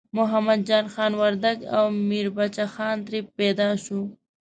محمد جان خان وردګ او میربچه خان ترې پیدا شو.